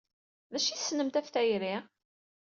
D acu ay tessnemt ɣef tayri?